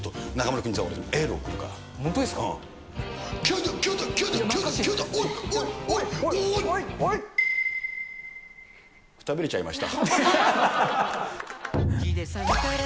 くたびれちゃいました。